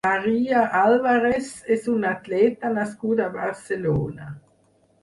María Álvarez és una atleta nascuda a Barcelona.